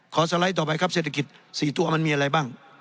สไลด์ต่อไปครับเศรษฐกิจ๔ตัวมันมีอะไรบ้าง